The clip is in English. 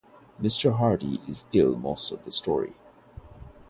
Mr Hardy is ill most of the story.